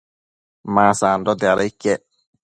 ma sandote, ada iquec